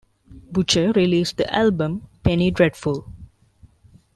Butcher released the album "Penny Dreadful".